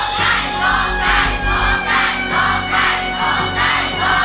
โยงใจโยงใจ